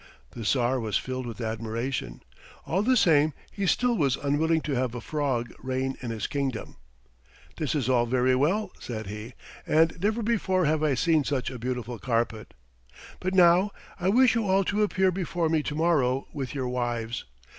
The Tsar was filled with admiration. All the same he still was unwilling to have a frog reign in his kingdom. "This is all very well," said he, "and never before have I seen such a beautiful carpet. But now I wish you all to appear before me to morrow with your wives.